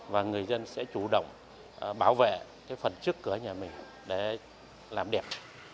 và người dân sẽ chủ động bảo vệ phần trước cửa nhà mình để làm đẹp